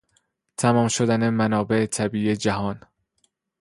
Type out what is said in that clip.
تمام شدن منابع طبیعی جهان